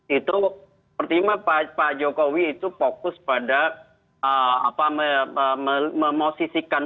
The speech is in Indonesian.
itu pertama pak jokowi itu fokus pada memosisikan